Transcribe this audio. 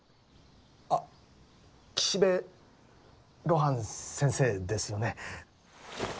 あっ岸辺露伴先生ですよね。